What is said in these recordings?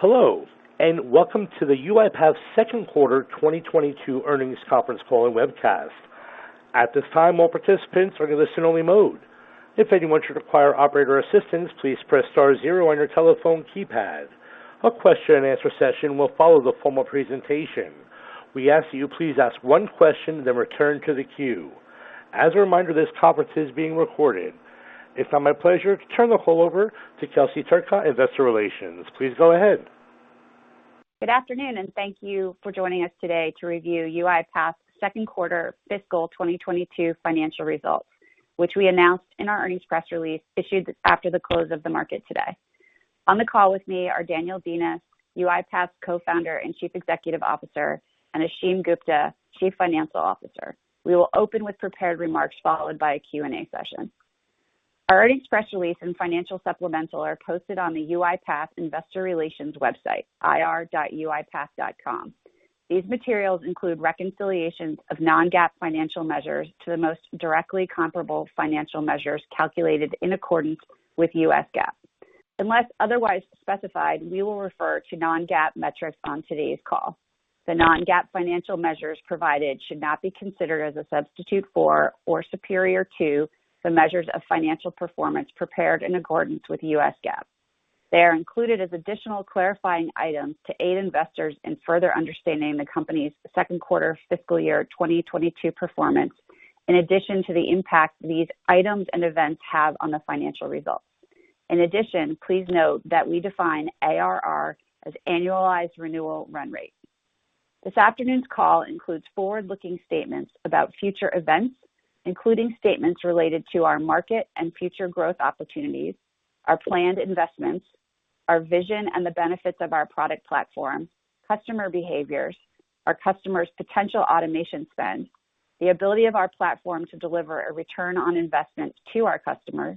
Hello, and welcome to the UiPath second quarter 2022 earnings conference call and webcast. At this time, all participants are in listen only mode. If anyone should require operator assistance, please press star zero on your telephone keypad. A question and answer session will follow the formal presentation. We ask you please ask one question, then return to the queue. As a reminder, this conference is being recorded. It's now my pleasure to turn the call over to Kelsey Turcotte, Investor Relations. Please go ahead. Good afternoon. Thank you for joining us today to review UiPath's second quarter fiscal 2022 financial results, which we announced in our earnings press release issued after the close of the market today. On the call with me are Daniel Dines, UiPath's Co-founder and Chief Executive Officer, and Ashim Gupta, Chief Financial Officer. We will open with prepared remarks, followed by a Q&A session. Our earnings press release and financial supplemental are posted on the UiPath Investor Relations website, ir.uipath.com. These materials include reconciliations of non-GAAP financial measures to the most directly comparable financial measures calculated in accordance with U.S. GAAP. Unless otherwise specified, we will refer to non-GAAP metrics on today's call. The non-GAAP financial measures provided should not be considered as a substitute for or superior to the measures of financial performance prepared in accordance with U.S. GAAP. They are included as additional clarifying items to aid investors in further understanding the company's second quarter fiscal year 2022 performance, in addition to the impact these items and events have on the financial results. In addition, please note that we define ARR as annualized renewal run rate. This afternoon's call includes forward-looking statements about future events, including statements related to our market and future growth opportunities, our planned investments, our vision, and the benefits of our product platform, customer behaviors, our customers' potential automation spend, the ability of our platform to deliver a return on investment to our customers,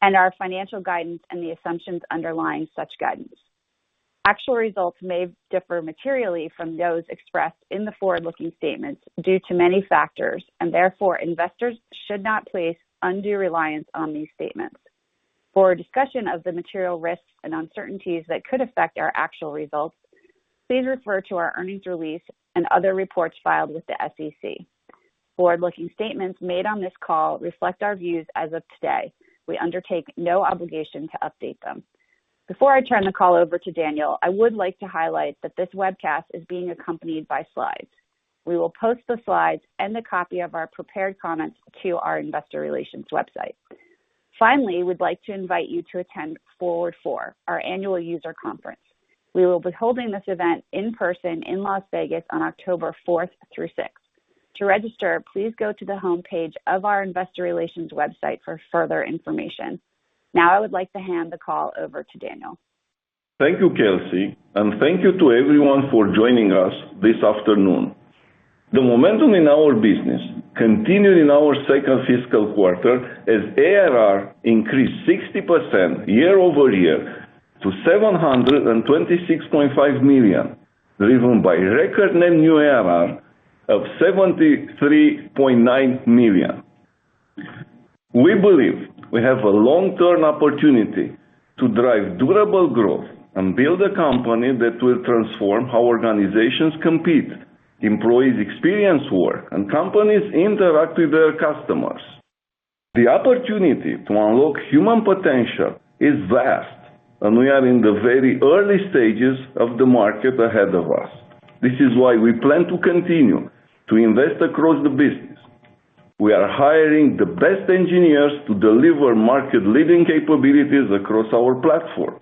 and our financial guidance and the assumptions underlying such guidance. Therefore, investors should not place undue reliance on these statements. For a discussion of the material risks and uncertainties that could affect our actual results, please refer to our earnings release and other reports filed with the SEC. Forward-looking statements made on this call reflect our views as of today. We undertake no obligation to update them. Before I turn the call over to Daniel, I would like to highlight that this webcast is being accompanied by slides. We will post the slides and a copy of our prepared comments to our Investor Relations website. Finally, we'd like to invite you to attend FORWARD IV, our annual user conference. We will be holding this event in person in Las Vegas on October fourth through sixth. To register, please go to the homepage of our Investor Relations website for further information. Now, I would like to hand the call over to Daniel. Thank you, Kelsey, and thank you to everyone for joining us this afternoon. The momentum in our business continued in our second fiscal quarter as ARR increased 60% year-over-year to $726.5 million, driven by record net new ARR of $73.9 million. We believe we have a long-term opportunity to drive durable growth and build a company that will transform how organizations compete, employees experience work, and companies interact with their customers. The opportunity to unlock human potential is vast, and we are in the very early stages of the market ahead of us. This is why we plan to continue to invest across the business. We are hiring the best engineers to deliver market-leading capabilities across our platform,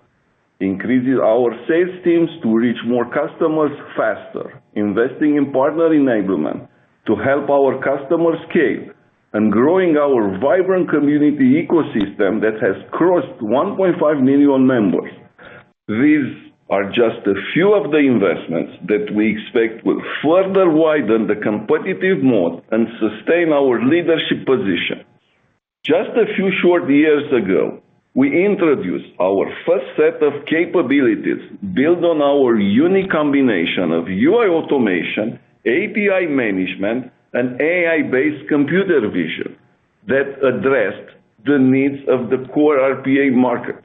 increasing our sales teams to reach more customers faster, investing in partner enablement to help our customers scale, and growing our vibrant community ecosystem that has crossed 1.5 million members. These are just a few of the investments that we expect will further widen the competitive moat and sustain our leadership position. Just a few short years ago, we introduced our first set of capabilities built on our unique combination of UI automation, API management, and AI-based computer vision that addressed the needs of the core RPA market.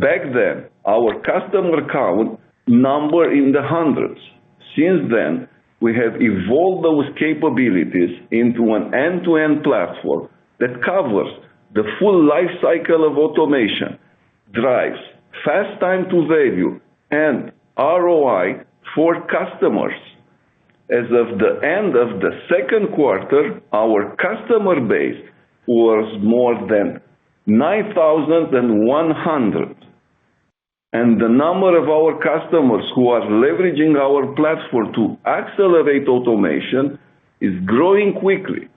Back then, our customer count numbered in the hundreds. Since then, we have evolved those capabilities into an end-to-end platform that covers the full life cycle of automation, drives fast time to value, and ROI for customers. As of the end of the second quarter, our customer base was more than 9,100, and the number of our customers who are leveraging our platform to accelerate automation is growing quickly.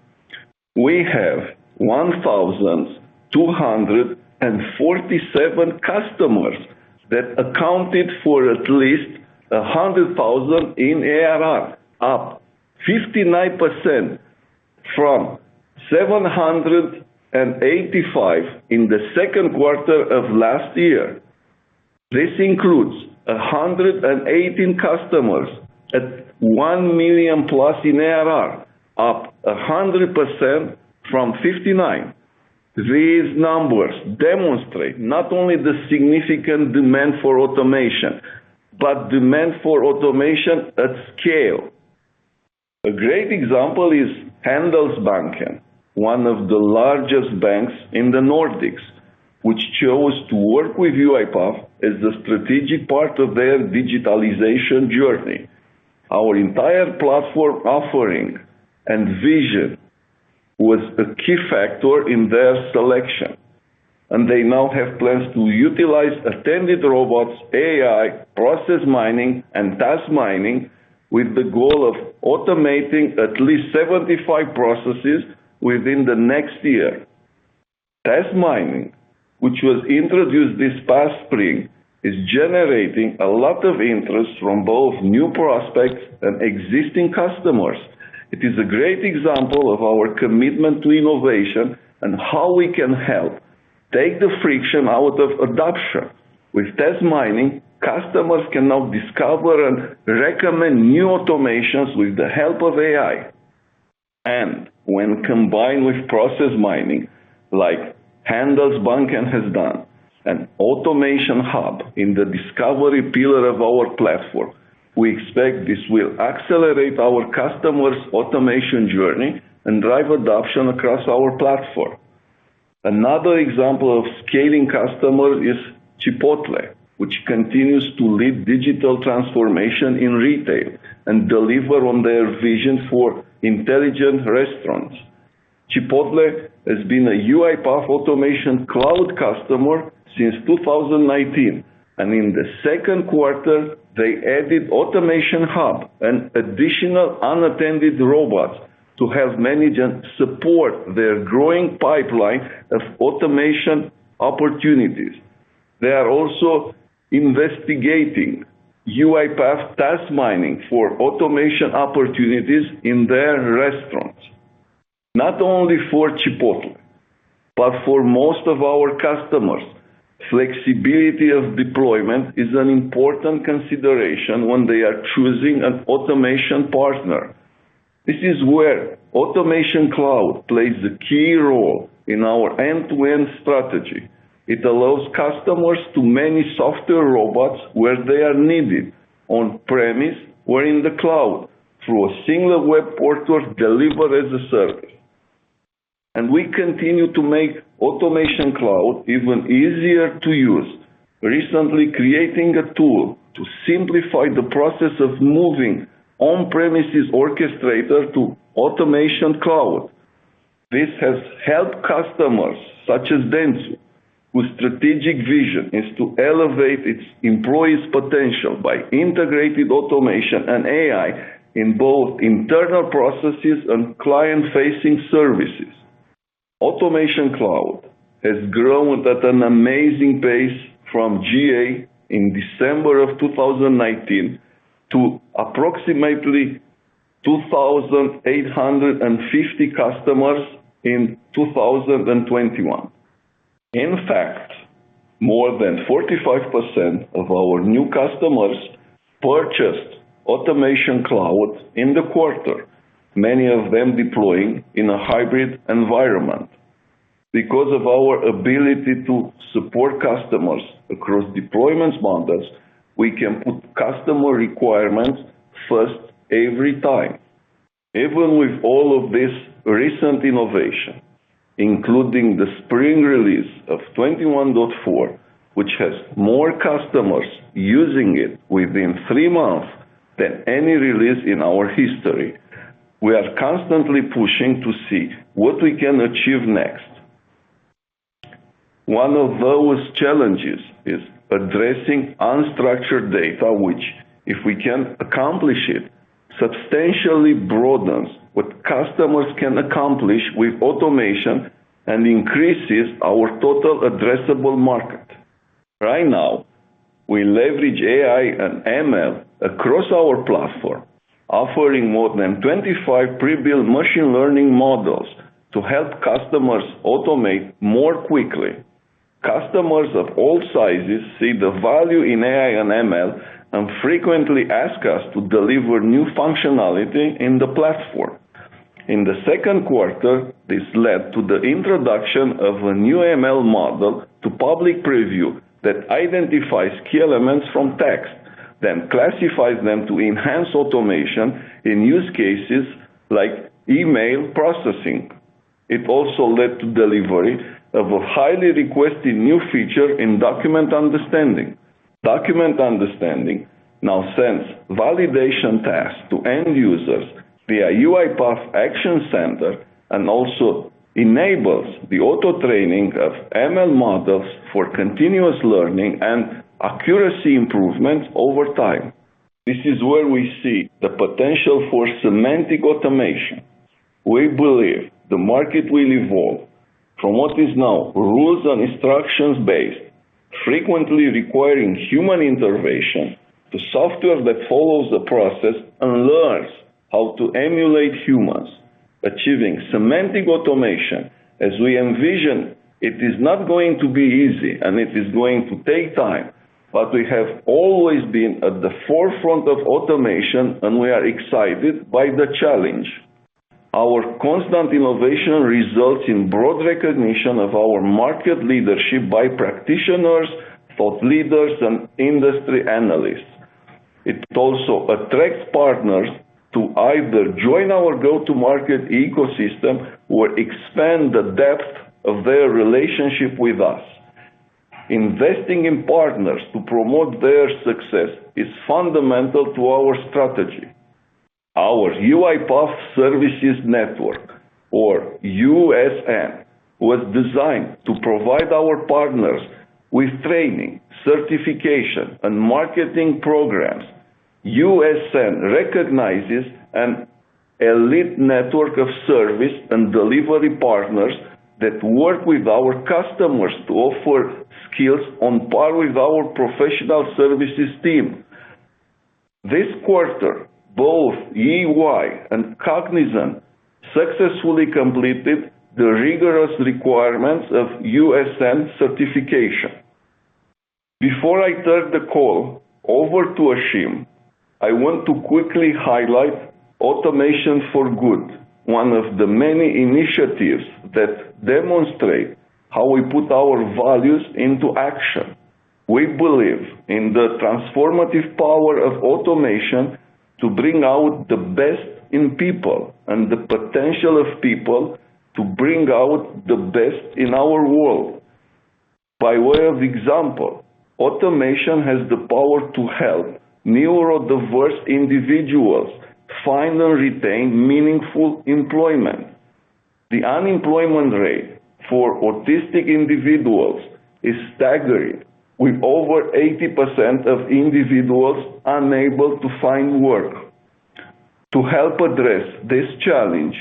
We have 1,247 customers that accounted for at least $100,000 in ARR, up 59% from 785 in the second quarter of last year. This includes 118 customers at $1 million+ in ARR, up 100% from 59. These numbers demonstrate not only the significant demand for automation, but demand for automation at scale. A great example is Handelsbanken, one of the largest banks in the Nordics, which chose to work with UiPath as the strategic part of their digitalization journey. Our entire platform offering and vision was a key factor in their selection. They now have plans to utilize attended robots, AI, Process Mining, and Task Mining with the goal of automating at least 75 processes within the next year. Task Mining, which was introduced this past spring, is generating a lot of interest from both new prospects and existing customers. It is a great example of our commitment to innovation and how we can help take the friction out of adoption. With Task Mining, customers can now discover and recommend new automations with the help of AI. When combined with Process Mining, like Handelsbanken has done, an Automation Hub in the discovery pillar of our platform. We expect this will accelerate our customers' automation journey and drive adoption across our platform. Another example of scaling customer is Chipotle, which continues to lead digital transformation in retail and deliver on their vision for intelligent restaurants. Chipotle has been a UiPath Automation Cloud customer since 2019, and in the second quarter, they added Automation Hub and additional Unattended Robots to help manage and support their growing pipeline of automation opportunities. They are also investigating UiPath Task Mining for automation opportunities in their restaurants. Not only for Chipotle, but for most of our customers, flexibility of deployment is an important consideration when they are choosing an automation partner. This is where Automation Cloud plays a key role in our end-to-end strategy. It allows customers to manage Software Robots where they are needed on-premises or in the cloud through a single web portal delivered as a service. We continue to make Automation Cloud even easier to use. Recently creating a tool to simplify the process of moving on-premises Orchestrator to Automation Cloud. This has helped customers such as Dentsu, whose strategic vision is to elevate its employees' potential by integrated automation and AI in both internal processes and client-facing services. Automation Cloud has grown at an amazing pace from GA in December of 2019 to approximately 2,850 customers in 2021. In fact, more than 45% of our new customers purchased Automation Cloud in the quarter, many of them deploying in a hybrid environment. Because of our ability to support customers across deployment models, we can put customer requirements first every time. Even with all of this recent innovation, including the spring release of 21.4, which has more customers using it within three months than any release in our history, we are constantly pushing to see what we can achieve next. One of those challenges is addressing unstructured data, which, if we can accomplish it, substantially broadens what customers can accomplish with automation and increases our total addressable market. Right now, we leverage AI and Machine Learning across our platform, offering more than 25 pre-built Machine Learning models to help customers automate more quickly. Customers of all sizes see the value in AI and Machine Learning and frequently ask us to deliver new functionality in the platform. In the second quarter, this led to the introduction of a new ML model to Public Preview that identifies key elements from text, then classifies them to enhance automation in Use Cases like email processing. It also led to delivery of a highly requested new feature in Document Understanding. Document Understanding now sends validation tasks to end users via UiPath Action Center and also enables the auto-training of ML models for continuous learning and accuracy improvements over time. This is where we see the potential for Semantic Automation. We believe the market will evolve from what is now rules and instructions-based, frequently requiring human intervention to software that follows the process and learns how to emulate humans. Achieving Semantic Automation as we envision it is not going to be easy, and it is going to take time. We have always been at the forefront of automation, and we are excited by the challenge. Our constant innovation results in broad recognition of our market leadership by practitioners, thought leaders, and industry analysts. It also attracts partners to either join our go-to-market ecosystem or expand the depth of their relationship with us. Investing in partners to promote their success is fundamental to our strategy. Our UiPath Services Network, or USN, was designed to provide our partners with training, certification, and marketing programs. USN recognizes an elite network of service and delivery partners that work with our customers to offer skills on par with our professional services team. This quarter, both EY and Cognizant successfully completed the rigorous requirements of USN certification. Before I turn the call over to Ashim, I want to quickly highlight Automation for Good, one of the many initiatives that demonstrate how we put our values into action. We believe in the transformative power of automation to bring out the best in people and the potential of people to bring out the best in our world. By way of example, automation has the power to help neurodiverse individuals find and retain meaningful employment. The unemployment rate for autistic individuals is staggering, with over 80% of individuals unable to find work. To help address this challenge,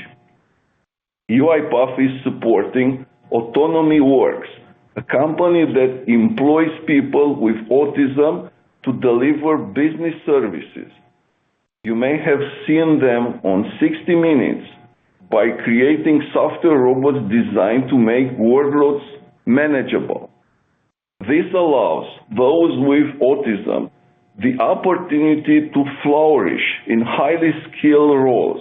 UiPath is supporting AutonomyWorks, a company that employs people with autism to deliver business services. You may have seen them on "60 Minutes" by creating Software Robots designed to make workloads manageable. This allows those with autism the opportunity to flourish in highly skilled roles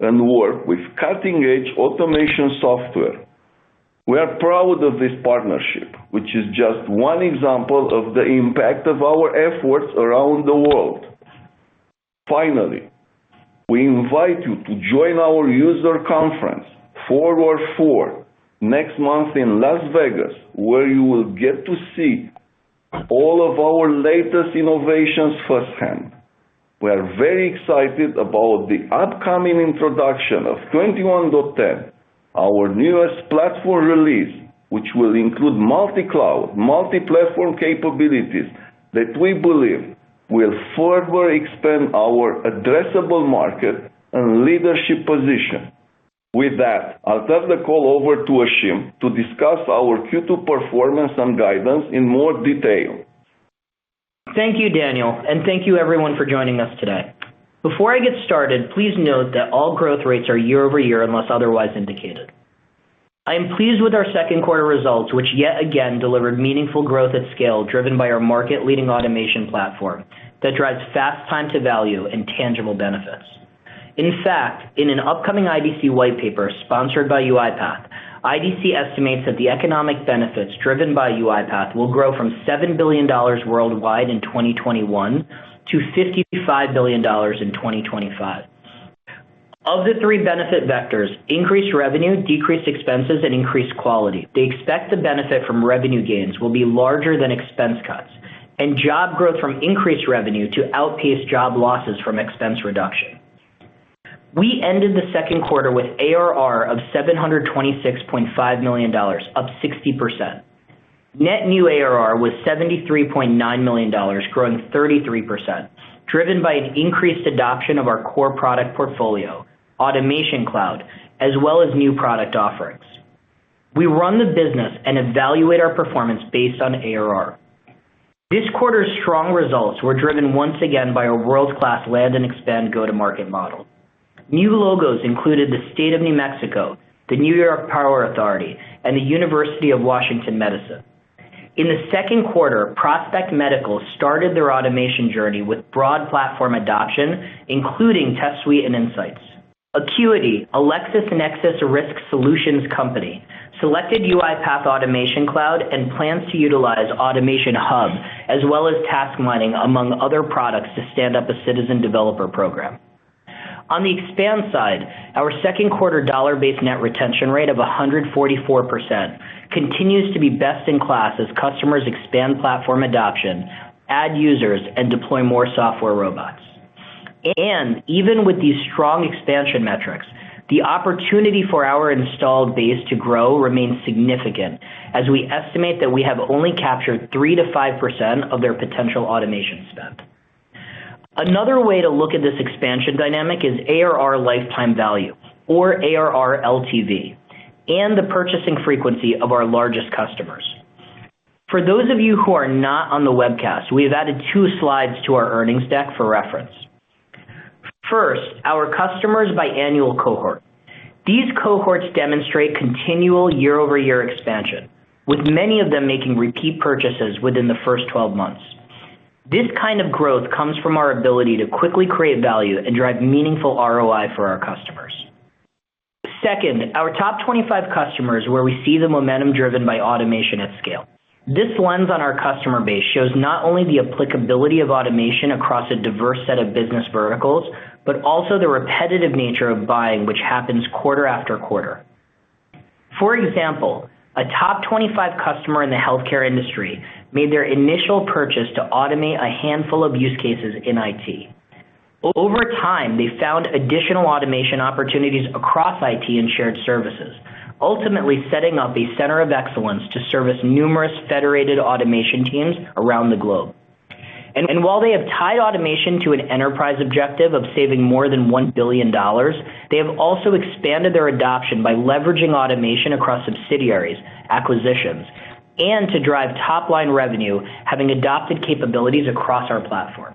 and work with cutting-edge automation software. We are proud of this partnership, which is just one example of the impact of our efforts around the world. Finally, we invite you to join our user conference, FORWARD IV, next month in Las Vegas, where you will get to see all of our latest innovations firsthand. We are very excited about the upcoming introduction of 21.10, our newest platform release, which will include multi-cloud, multi-platform capabilities that we believe will further expand our Addressable Market and leadership position. With that, I'll turn the call over to Ashim to discuss our Q2 performance and guidance in more detail. Thank you, Daniel. Thank you, everyone, for joining us today. Before I get started, please note that all growth rates are year-over-year, unless otherwise indicated. I am pleased with our second quarter results, which yet again delivered meaningful growth at scale, driven by our market-leading automation platform that drives fast time to value and tangible benefits. In fact, in an upcoming IDC white paper sponsored by UiPath, IDC estimates that the economic benefits driven by UiPath will grow from $7 billion worldwide in 2021 to $55 billion in 2025. Of the three benefit vectors, increased revenue, decreased expenses, and increased quality, they expect the benefit from revenue gains will be larger than expense cuts, and job growth from increased revenue to outpace job losses from expense reduction. We ended the second quarter with ARR of $726.5 million, up 60%. Net new ARR was $73.9 million, growing 33%, driven by an increased adoption of our core product portfolio, Automation Cloud, as well as new product offerings. We run the business and evaluate our performance based on ARR. This quarter's strong results were driven once again by our world-class land and expand go-to-market model. New logos included the State of New Mexico, the New York Power Authority, and the University of Washington Medicine. In the second quarter, Prospect Medical started their automation journey with broad platform adoption, including Test Suite and Insights. Accuity, a LexisNexis Risk Solutions company, selected UiPath Automation Cloud and plans to utilize Automation Hub as well as task mining among other products to stand up a citizen developer program. On the expand side, our second quarter Dollar-Based Net Retention Rate of 144% continues to be best in class as customers expand platform adoption, add users, and deploy more Software Robots. Even with these strong expansion metrics, the opportunity for our Installed Base to grow remains significant, as we estimate that we have only captured 3%-5% of their potential automation spend. Another way to look at this expansion dynamic is ARR lifetime value, or ARR LTV, and the purchasing frequency of our largest customers. For those of you who are not on the webcast, we have added two slides to our earnings deck for reference. First, our customers by annual cohort. These cohorts demonstrate continual year-over-year expansion, with many of them making repeat purchases within the first 12 months. This kind of growth comes from our ability to quickly create value and drive meaningful ROI for our customers. Second, our top 25 customers where we see the momentum driven by automation at scale. This lens on our customer base shows not only the applicability of automation across a diverse set of business verticals, but also the repetitive nature of buying, which happens quarter after quarter. For example, a top 25 customer in the healthcare industry made their initial purchase to automate a handful of use cases in IT. Over time, they found additional automation opportunities across IT and shared services, ultimately setting up a Center of Excellence to service numerous federated Automation Teams around the globe. While they have tied automation to an enterprise objective of saving more than $1 billion, they have also expanded their adoption by leveraging automation across subsidiaries, acquisitions, and to drive top-line revenue, having adopted capabilities across our platform.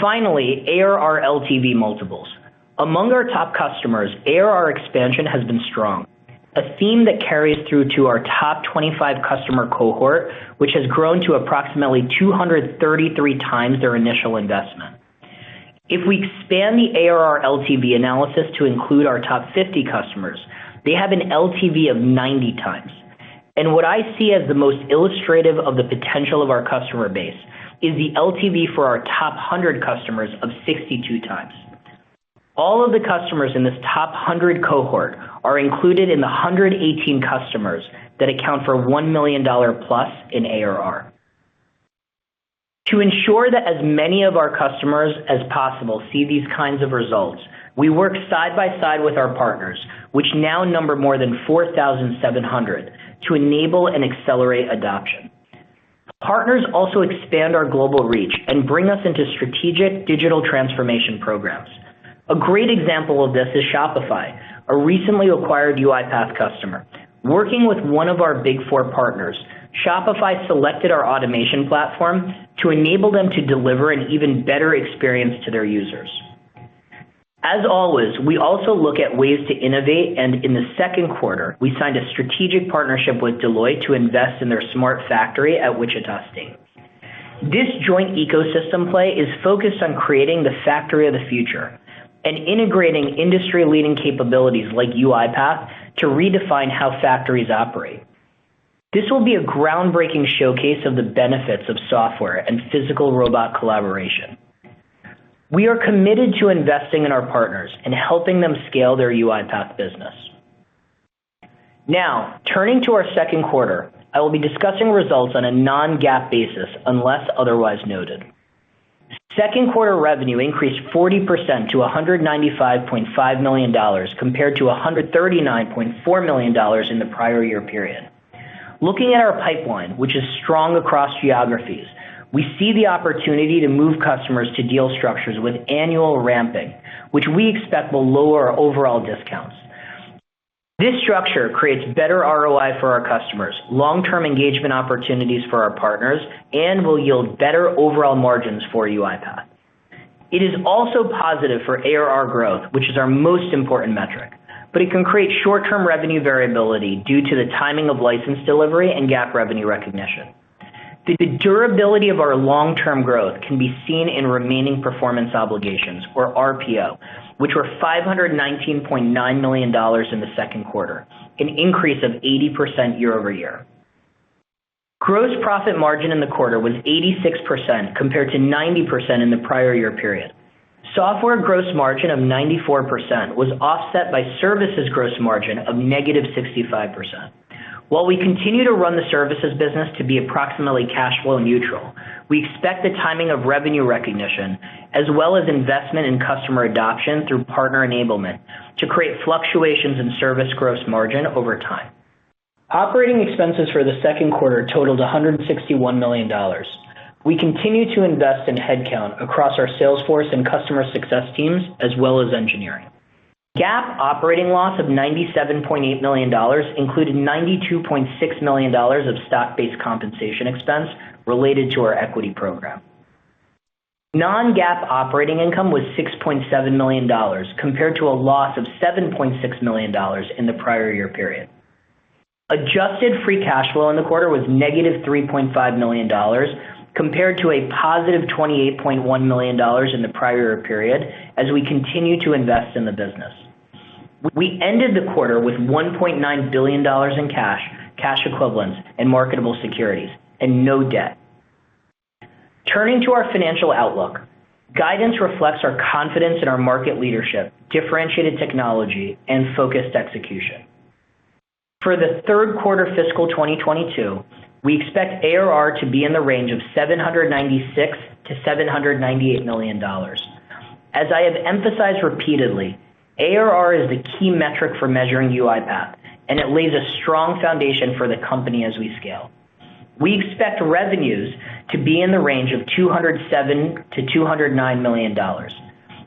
Finally, ARR LTV multiples. Among our top customers, ARR expansion has been strong. A theme that carries through to our top 25 customer cohort, which has grown to approximately 233x their initial investment. If we expand the ARR LTV analysis to include our top 50 customers, they have an LTV of 90x What I see as the most illustrative of the potential of our customer base is the LTV for our top 100 customers of 62 times. All of the customers in this top 100 cohort are included in the 118 customers that account for $1 million plus in ARR. To ensure that as many of our customers as possible see these kinds of results, we work side by side with our partners, which now number more than 4,700, to enable and accelerate adoption. Partners also expand our global reach and bring us into strategic digital transformation programs. A great example of this is Shopify, a recently acquired UiPath customer. Working with one of our big four partners, Shopify selected our automation platform to enable them to deliver an even better experience to their users. As always, we also look at ways to innovate, and in the second quarter, we signed a strategic partnership with Deloitte to invest in their smart factory at Wichita State. This joint ecosystem play is focused on creating the factory of the future and integrating industry-leading capabilities like UiPath to redefine how factories operate. This will be a groundbreaking showcase of the benefits of software and physical robot collaboration. We are committed to investing in our partners and helping them scale their UiPath business. Now, turning to our second quarter, I will be discussing results on a non-GAAP basis unless otherwise noted. Second quarter revenue increased 40% to $195.5 million compared to $139.4 million in the prior year period. Looking at our pipeline, which is strong across geographies, we see the opportunity to move customers to deal structures with annual ramping, which we expect will lower overall discounts. This structure creates better ROI for our customers, long-term engagement opportunities for our partners, and will yield better overall margins for UiPath. It is also positive for ARR growth, which is our most important metric, but it can create short-term revenue variability due to the timing of license delivery and GAAP revenue recognition. The durability of our long-term growth can be seen in remaining performance obligations or RPO, which were $519.9 million in the second quarter, an increase of 80% year-over-year. Gross profit margin in the quarter was 86% compared to 90% in the prior year period. Software gross margin of 94% was offset by services gross margin of negative 65%. While we continue to run the services business to be approximately cash flow neutral, we expect the timing of revenue recognition, as well as investment in customer adoption through partner enablement to create fluctuations in service gross margin over time. Operating expenses for the second quarter totaled $161 million. We continue to invest in headcount across our sales force and customer success teams, as well as engineering. GAAP operating loss of $97.8 million included $92.6 million of stock-based compensation expense related to our equity program. Non-GAAP operating income was $6.7 million compared to a loss of $7.6 million in the prior year period. Adjusted free cash flow in the quarter was negative $3.5 million compared to a positive $28.1 million in the prior year period as we continue to invest in the business. We ended the quarter with $1.9 billion in cash equivalents, and marketable securities, and no debt. Turning to our financial outlook. Guidance reflects our confidence in our market leadership, differentiated technology, and focused execution. For the third quarter fiscal 2022, we expect ARR to be in the range of $796 million-$798 million. As I have emphasized repeatedly, ARR is the key metric for measuring UiPath, and it lays a strong foundation for the company as we scale. We expect revenues to be in the range of $207 million-$209 million.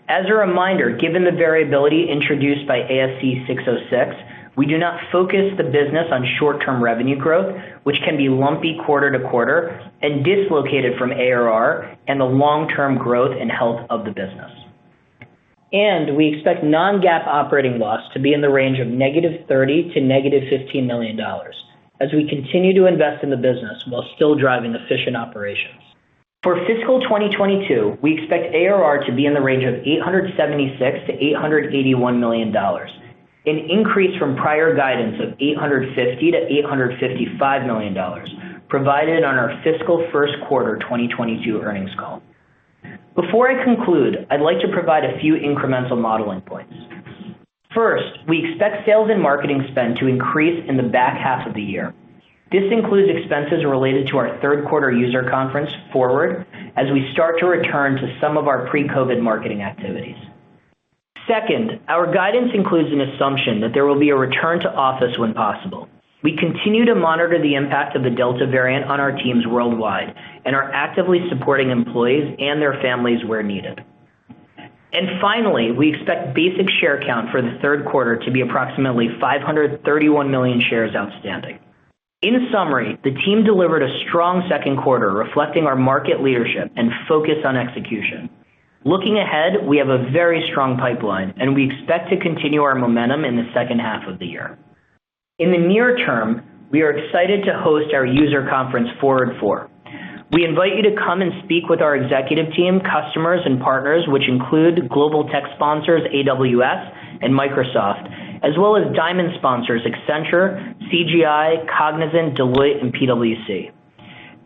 As a reminder, given the variability introduced by ASC 606, we do not focus the business on short-term revenue growth, which can be lumpy quarter to quarter and dislocated from ARR and the long-term growth and health of the business. We expect non-GAAP operating loss to be in the range of -$30 million to -$15 million as we continue to invest in the business while still driving efficient operations. For fiscal 2022, we expect ARR to be in the range of $876 million-$881 million, an increase from prior guidance of $850 million-$855 million provided on our fiscal first quarter 2022 earnings call. Before I conclude, I'd like to provide a few incremental modeling points. First, we expect sales and marketing spend to increase in the back half of the year. This includes expenses related to our third quarter user conference FORWARD IV as we start to return to some of our pre-COVID marketing activities. Our guidance includes an assumption that there will be a return to office when possible. We continue to monitor the impact of the Delta variant on our teams worldwide and are actively supporting employees and their families where needed. Finally, we expect basic share count for the third quarter to be approximately 531 million shares outstanding. In summary, the team delivered a strong second quarter reflecting our market leadership and focus on execution. Looking ahead, we have a very strong pipeline, and we expect to continue our momentum in the second half of the year. In the near term, we are excited to host our user conference FORWARD IV. We invite you to come and speak with our executive team, customers, and partners, which include global tech sponsors AWS and Microsoft, as well as diamond sponsors Accenture, CGI, Cognizant, Deloitte, and PwC.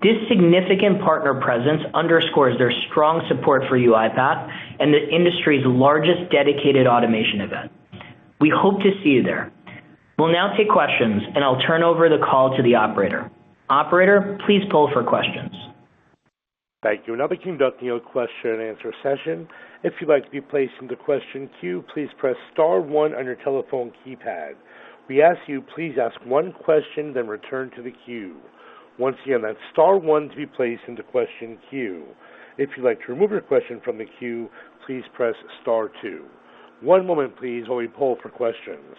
This significant partner presence underscores their strong support for UiPath and the industry's largest dedicated automation event. We hope to see you there. We'll now take questions, and I'll turn over the call to the operator. Operator, please poll for questions. Thank you. Now beginning with the question and answer session. If you'd like to be placed in the question queue, please press star one on your telephone keypad. We ask you please ask one question, then return to the queue. Once again, that's star one to be placed into question queue. If you'd like to remove your question from the queue, please press star two. One moment please while we poll for questions.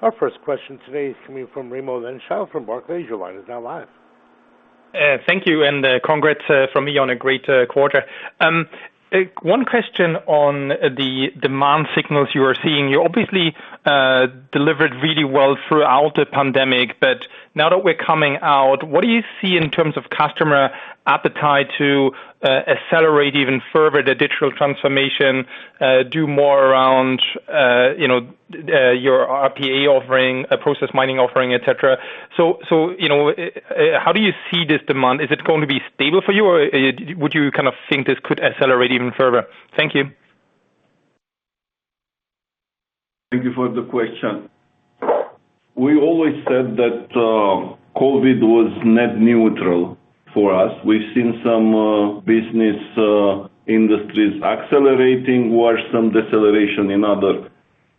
Our first question today is coming from Raimo Lenschow from Barclays. Your line is now live. Thank you, and congrats from me on a great quarter. One question on the demand signals you are seeing. You obviously delivered really well throughout the pandemic, but now that we're coming out, what do you see in terms of customer appetite to accelerate even further the digital transformation, do more around your RPA offering, Process Mining offering, et cetera? How do you see this demand? Is it going to be stable for you, or would you kind of think this could accelerate even further? Thank you. Thank you for the question. We always said that COVID was net neutral for us. We've seen some business industries accelerating while some deceleration in other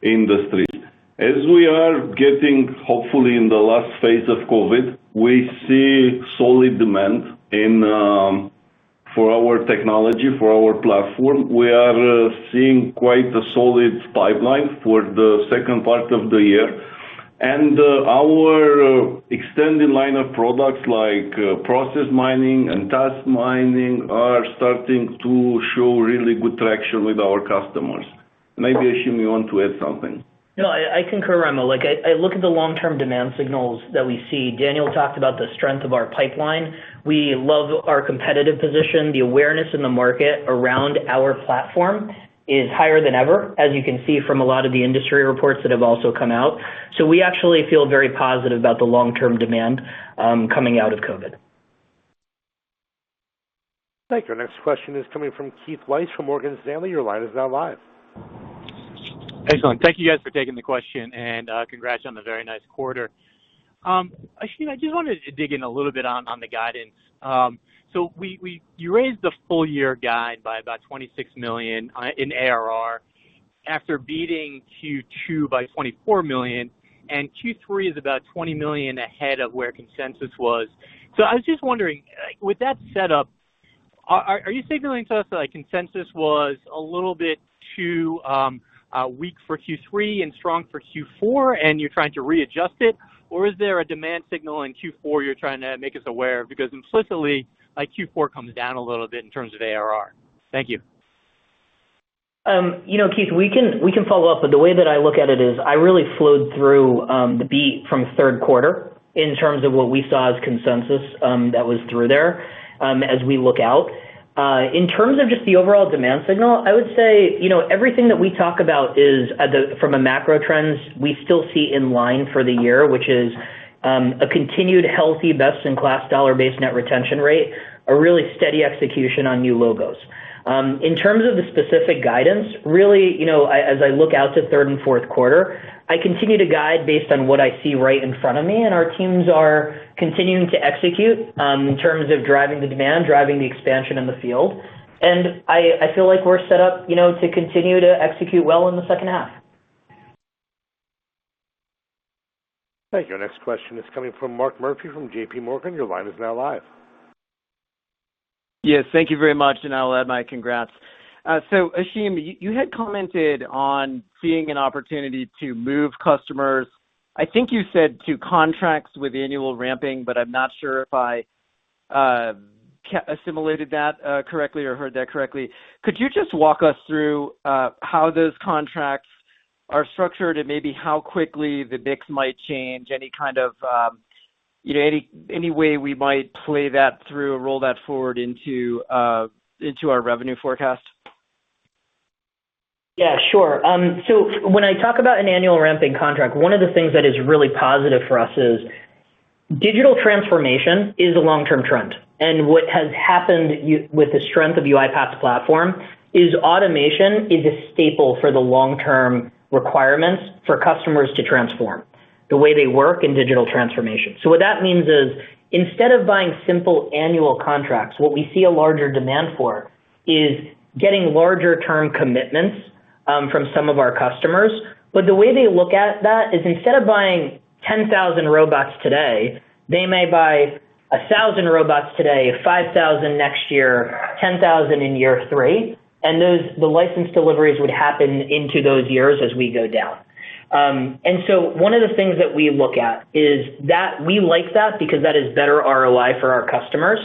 industries. As we are getting, hopefully, in the last phase of COVID, we see solid demand for our technology, for our platform. We are seeing quite a solid pipeline for the second part of the year. Our extended line of products like Process Mining and Task Mining are starting to show really good traction with our customers. Maybe Ashim, you want to add something? No, I concur, Raimo. I look at the long-term demand signals that we see. Daniel talked about the strength of our pipeline. We love our competitive position. The awareness in the market around our platform is higher than ever, as you can see from a lot of the industry reports that have also come out. We actually feel very positive about the long-term demand coming out of COVID. Thank you. Next question is coming from Keith Weiss from Morgan Stanley. Your line is now live. Excellent. Thank you guys for taking the question, and congrats on the very nice quarter. Ashim, I just wanted to dig in a little bit on the guidance. You raised the full year guide by about $26 million in ARR after beating Q2 by $24 million, and Q3 is about $20 million ahead of where consensus was. I was just wondering, with that setup, are you signaling to us that consensus was a little bit too weak for Q3 and strong for Q4 and you're trying to readjust it? Or is there a demand signal in Q4 you're trying to make us aware of? Because implicitly Q4 comes down a little bit in terms of ARR. Thank you. Keith, we can follow up. The way that I look at it is I really flowed through the beat from third quarter in terms of what we saw as consensus that was through there as we look out. In terms of just the overall demand signal, I would say everything that we talk about from a macro trends, we still see in line for the year, which is a continued healthy best-in-class dollar-based net retention rate, a really steady execution on new logos. In terms of the specific guidance, really as I look out to third and fourth quarter, I continue to guide based on what I see right in front of me, and our teams are continuing to execute in terms of driving the demand, driving the expansion in the field. I feel like we're set up to continue to execute well in the second half. Thank you. Our next question is coming from Mark Murphy from JPMorgan. Your line is now live. Yes, thank you very much, and I'll add my congrats. Ashim, you had commented on seeing an opportunity to move customers, I think you said to contracts with annual ramping, but I'm not sure if I. Assimilated that correctly or heard that correctly? Could you just walk us through how those contracts are structured and maybe how quickly the mix might change? Any way we might play that through or roll that forward into our revenue forecast? Yeah, sure. When I talk about an annual ramping contract, one of the things that is really positive for us is digital transformation is a long-term trend. What has happened with the strength of UiPath's platform is automation is a staple for the long-term requirements for customers to transform the way they work in digital transformation. What that means is instead of buying simple annual contracts, what we see a larger demand for is getting larger term commitments from some of our customers. The way they look at that is instead of buying 10,000 robots today, they may buy 1,000 robots today, 5,000 next year, 10,000 in year three. The license deliveries would happen into those years as we go down. One of the things that we look at is that we like that because that is better ROI for our customers.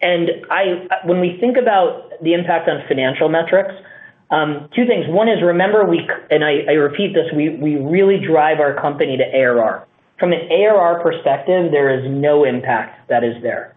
When we think about the impact on financial metrics, two things. One is, remember, I repeat this, we really drive our company to ARR. From an ARR perspective, there is no impact that is there.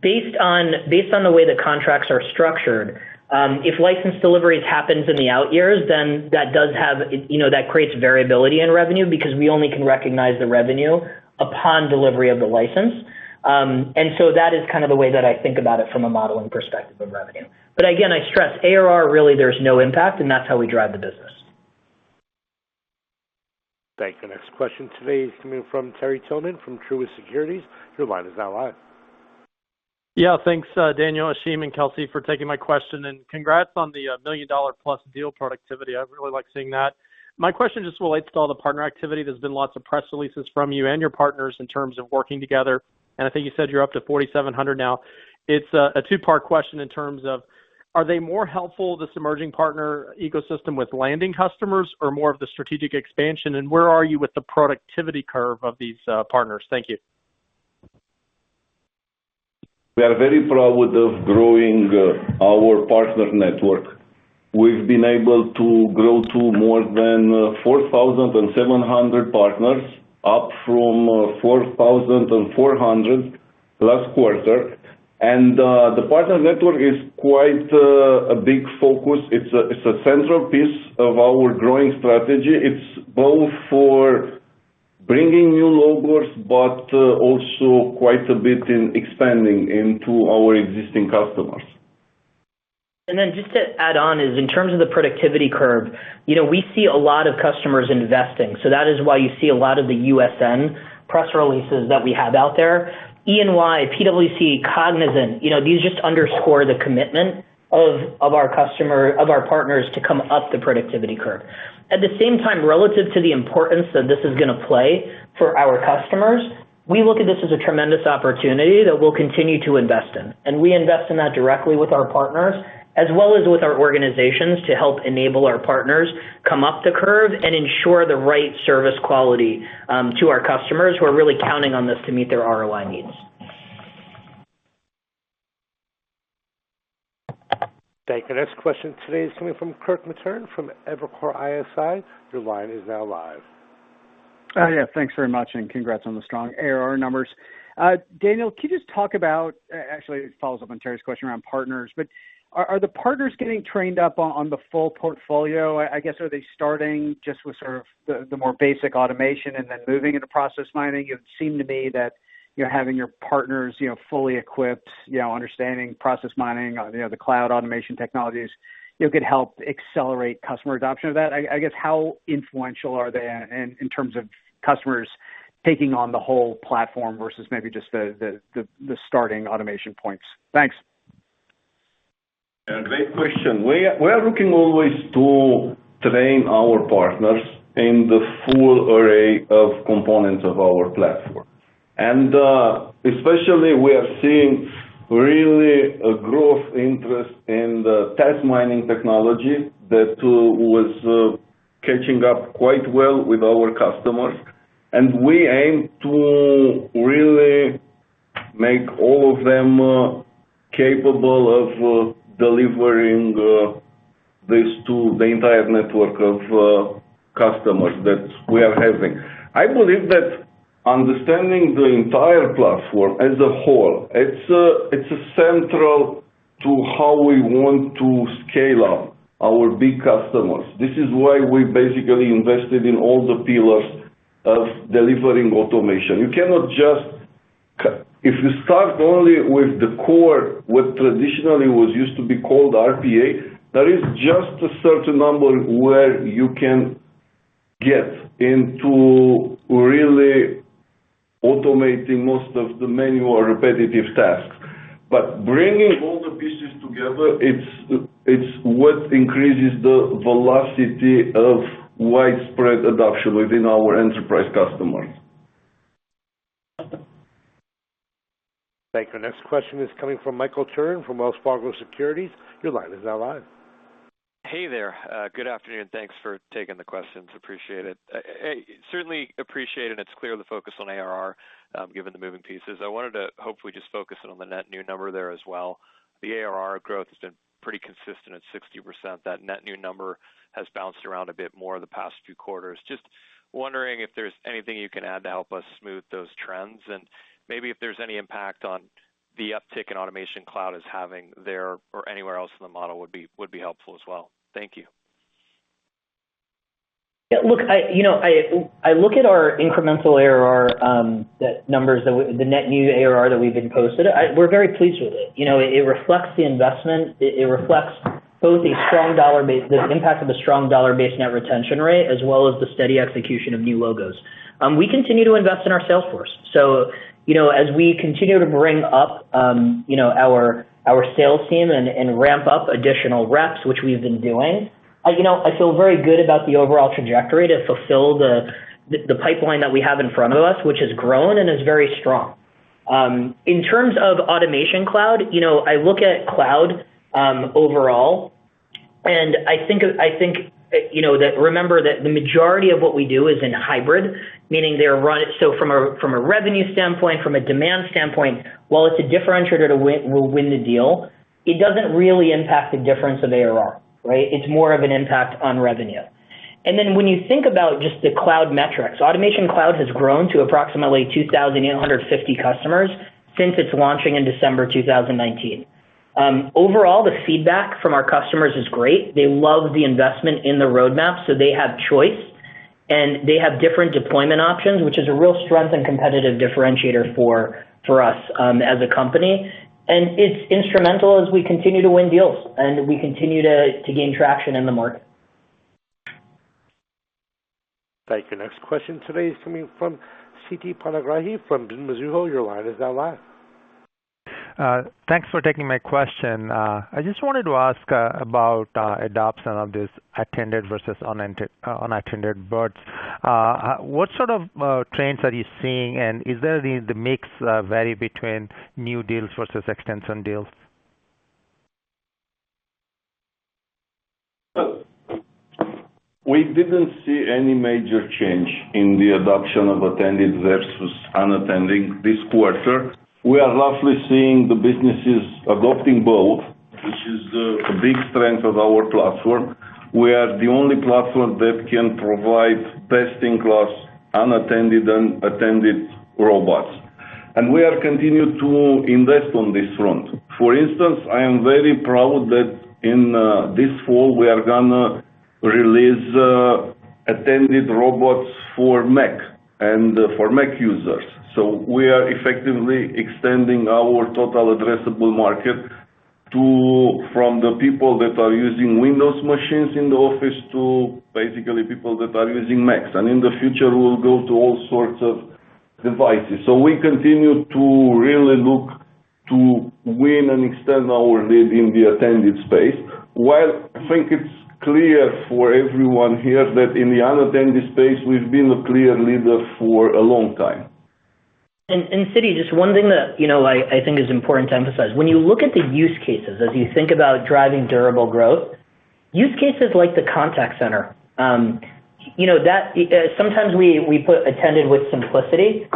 Based on the way the contracts are structured, if license deliveries happens in the out years, that creates variability in revenue because we only can recognize the revenue upon delivery of the license. That is the way that I think about it from a modeling perspective of revenue. Again, I stress ARR really there's no impact, that's how we drive the business. Thank you. Next question today is coming from Terry Tillman from Truist Securities. Your line is now live. Yeah. Thanks, Daniel, Ashim, and Kelsey for taking my question, and congrats on the million-dollar plus deal productivity. I really like seeing that. My question just relates to all the partner activity. There's been lots of press releases from you and your partners in terms of working together, and I think you said you're up to 4,700 now. It's a two-part question in terms of, are they more helpful, this emerging partner ecosystem with landing customers or more of the strategic expansion? Where are you with the productivity curve of these partners? Thank you. We are very proud of growing our partner network. We've been able to grow to more than 4,700 partners, up from 4,400 last quarter. The partner network is quite a big focus. It's a central piece of our growing strategy. It's both for bringing new logos, but also quite a bit in expanding into our existing customers. Then just to add on is in terms of the productivity curve, we see a lot of customers investing. That is why you see a lot of the USN press releases that we have out there. EY, PwC, Cognizant, these just underscore the commitment of our partners to come up the productivity curve. At the same time, relative to the importance that this is going to play for our customers, we look at this as a tremendous opportunity that we'll continue to invest in. We invest in that directly with our partners, as well as with our organizations to help enable our partners come up the curve and ensure the right service quality to our customers who are really counting on this to meet their ROI needs. Thank you. Next question today is coming from Kirk Materne from Evercore ISI. Your line is now live. Yeah. Thanks very much, congrats on the strong ARR numbers. Daniel, Actually, it follows up on Terry's question around partners. Are the partners getting trained up on the full portfolio? I guess, are they starting just with sort of the more basic automation and then moving into Process Mining? It would seem to me that you're having your partners fully equipped, understanding Process Mining, the cloud automation technologies could help accelerate customer adoption of that. I guess, how influential are they in terms of customers taking on the whole platform versus maybe just the starting automation points? Thanks. Yeah. Great question. We are looking always to train our partners in the full array of components of our platform. Especially we are seeing really a growth interest in the Task Mining technology that was catching up quite well with our customers. We aim to really make all of them capable of delivering this to the entire network of customers that we are having. I believe that understanding the entire platform as a whole, it's central to how we want to scale up our big customers. This is why we basically invested in all the pillars of delivering automation. If you start only with the core, what traditionally was used to be called RPA, there is just a certain number where you can get into really automating most of the manual or repetitive tasks. Bringing all the pieces together, it's what increases the velocity of widespread adoption within our enterprise customers. Thank you. Next question is coming from Michael Turrin from Wells Fargo Securities. Your line is now live Hey there. Good afternoon. Thanks for taking the questions. Appreciate it. Certainly appreciate, it's clear the focus on ARR given the moving pieces. I wanted to hopefully just focus in on the net new number there as well. The ARR growth has been pretty consistent at 60%. That net new number has bounced around a bit more the past few quarters. Just wondering if there's anything you can add to help us smooth those trends, and maybe if there's any impact on the uptick in Automation Cloud is having there or anywhere else in the model would be helpful as well. Thank you. Yeah, look, I look at our incremental ARR, the net new ARR that we've been posted. We're very pleased with it. It reflects the investment. It reflects both the impact of a strong dollar base net retention rate, as well as the steady execution of new logos. We continue to invest in our sales force. As we continue to bring up our sales team and ramp up additional reps, which we've been doing, I feel very good about the overall trajectory to fulfill the pipeline that we have in front of us, which has grown and is very strong. In terms of Automation Cloud, I look at cloud overall, and I think that remember that the majority of what we do is in hybrid, meaning from a revenue standpoint, from a demand standpoint, while it's a differentiator to win the deal, it doesn't really impact the difference of ARR, right? It's more of an impact on revenue. When you think about just the cloud metrics, Automation Cloud has grown to approximately 2,850 customers since its launching in December 2019. Overall, the feedback from our customers is great. They love the investment in the roadmap, so they have choice, and they have different deployment options, which is a real strength and competitive differentiator for us as a company. It's instrumental as we continue to win deals and we continue to gain traction in the market. Thank you. Next question today is coming from Siti Panigrahi from Mizuho. Your line is now live. Thanks for taking my question. I just wanted to ask about adoption of this attended versus unattended bots. What sort of trends are you seeing, and is there the mix vary between new deals versus extension deals? We didn't see any major change in the adoption of attended versus unattended this quarter. We are roughly seeing the businesses adopting both, which is the big strength of our platform. We are the only platform that can provide best-in-class unattended and attended robots. We are continued to invest on this front. For instance, I am very proud that in this fall we are going to release attended robots for Mac and for Mac users. We are effectively extending our total addressable market from the people that are using Windows machines in the office to basically people that are using Macs. In the future, we will go to all sorts of devices. We continue to really look to win and extend our lead in the attended space. While I think it's clear for everyone here that in the unattended space, we've been a clear leader for a long time. Siti, just one thing that I think is important to emphasize. When you look at the use cases, as you think about driving durable growth, use cases like the contact center. Sometimes we put attended with simplicity.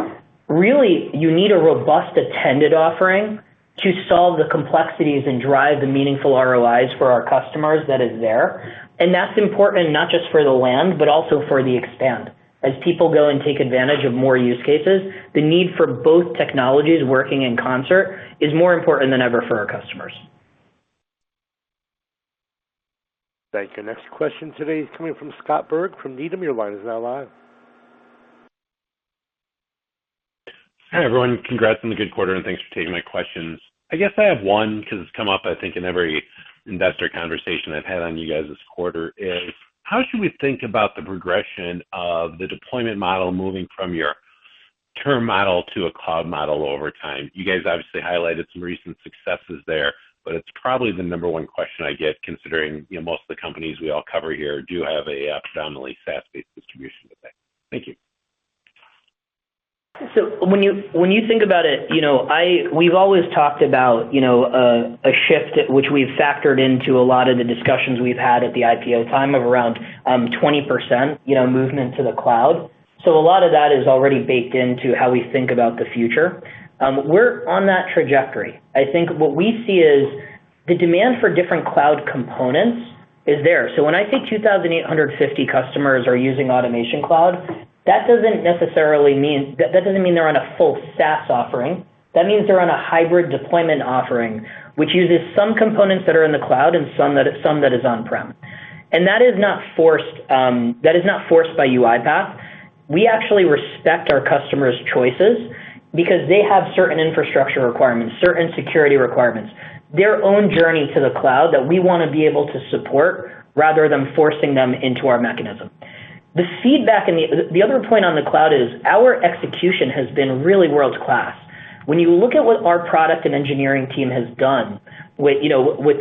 Really, you need a robust attended offering to solve the complexities and drive the meaningful ROIs for our customers that is there. That's important not just for the land, but also for the expand. As people go and take advantage of more use cases, the need for both technologies working in concert is more important than ever for our customers. Thank you. Next question today is coming from Scott Berg from Needham. Your line is now live. Hi, everyone. Congrats on the good quarter. Thanks for taking my questions. I guess I have one because it's come up, I think in every investor conversation I've had on you guys this quarter is, how should we think about the progression of the deployment model moving from your term model to a cloud model over time? You guys obviously highlighted some recent successes there. It's probably the number one question I get considering most of the companies we all cover here do have a predominantly SaaS-based distribution today. Thank you. When you think about it, we've always talked about a shift which we've factored into a lot of the discussions we've had at the IPO time of around 20% movement to the cloud. A lot of that is already baked into how we think about the future. We're on that trajectory. I think what we see is the demand for different cloud components is there. When I say 2,850 customers are using Automation Cloud, that doesn't mean they're on a full SaaS offering. That means they're on a hybrid deployment offering, which uses some components that are in the cloud and some that is on-prem. That is not forced by UiPath. We actually respect our customers' choices because they have certain infrastructure requirements, certain security requirements. Their own journey to the cloud that we want to be able to support rather than forcing them into our mechanism. The other point on the cloud is our execution has been really world-class. When you look at what our product and engineering team has done with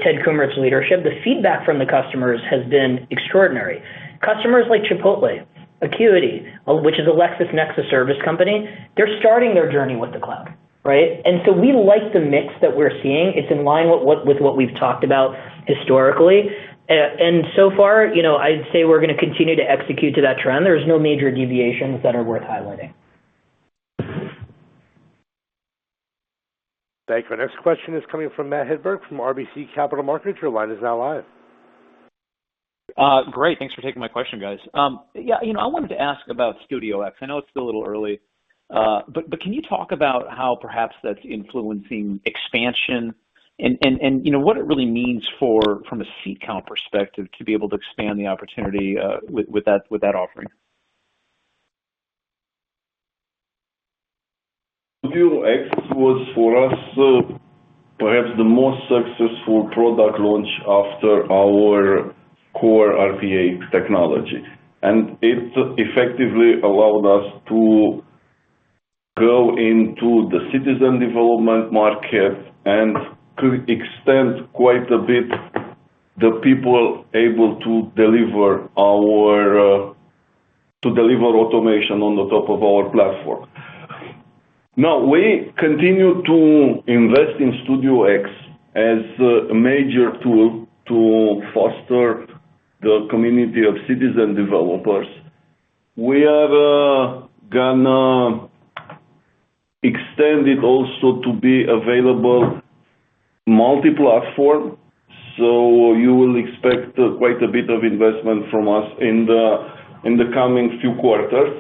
Ted Kummert's leadership, the feedback from the customers has been extraordinary. Customers like Chipotle, Accuity, which is a LexisNexis service company, they're starting their journey with the cloud. Right? We like the mix that we're seeing. It's in line with what we've talked about historically. So far, I'd say we're going to continue to execute to that trend. There's no major deviations that are worth highlighting. Thank you. Our next question is coming from Matthew Hedberg from RBC Capital Markets. Your line is now live. Great. Thanks for taking my question, guys. I wanted to ask about StudioX. I know it's still a little early. Can you talk about how perhaps that's influencing expansion and what it really means from a seat count perspective to be able to expand the opportunity with that offering? StudioX was, for us, perhaps the most successful product launch after our core RPA technology. It effectively allowed us to go into the citizen development market and to extend quite a bit the people able to deliver automation on the top of our platform. Now, we continue to invest in StudioX as a major tool to foster the community of citizen developers. We are going to extend it also to be available multi-platform. You will expect quite a bit of investment from us in the coming few quarters.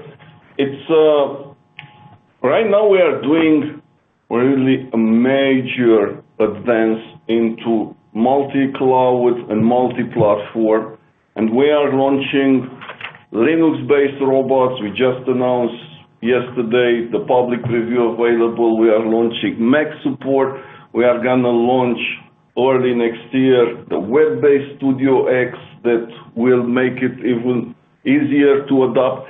Right now, we are doing really a major advance into multi-cloud and multi-platform, and we are launching Linux-based robots. We just announced yesterday the public review available. We are launching Mac support. We are going to launch early next year the web-based StudioX that will make it even easier to adopt.